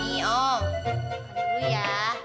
lihat dulu ya